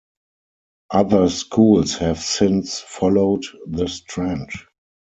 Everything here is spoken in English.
Other schools have since followed this trend.